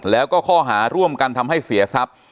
แล้วก็ข้อหาร่วมกันทำให้เสียทรัพย์